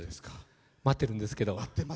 待ってるんですけど。